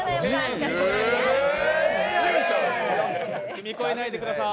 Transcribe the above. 踏み越えないでくださーい。